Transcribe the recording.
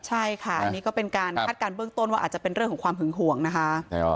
ใช่ค่ะอันนี้ก็เป็นการคาดการณ์เบื้องต้นว่าอาจจะเป็นเรื่องของความหึงห่วงนะคะ